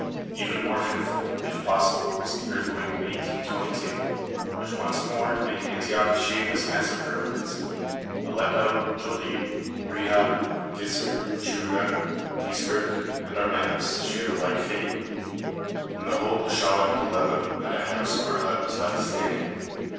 Even more fearful, if possible, was the earthquake of 1822, which once more made Antioch a shapeless mass of ruins. Aleppo, Djollib, Riha, Gisser, Chugra, Dieskrich, and Armenas shared a like fate. In the whole pashalic of Aleppo not a house or hut was left standing.